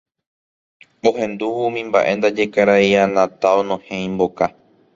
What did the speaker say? Ohendúvo umi mba'e ndaje karai Anata onohẽ imboka